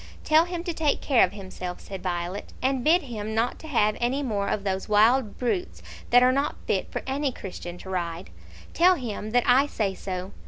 "Tell him to take care of himself," said Violet, "and bid him not to have any more of those wild brutes that are not fit for any Christian to ride. Tell him that I say so.